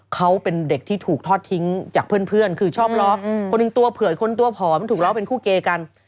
เขาเป็นเด็กที่ถูกทอดทิ้งจากเพื่อนคือชอบร้องคนหนึ่งตัวเผื่อคนตัวผอมถูกล้อเป็นคู่เกกัน